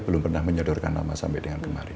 p tiga belum pernah menyodorkan nama sampai dengan kemarin